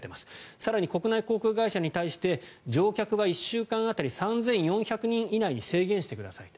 更に国内航空会社に対して乗客は１週間当たり３４００人以内に制限してくださいと。